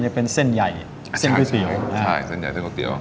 ใช่เส้นใหญ่เส้นก๋อเตี๋ยว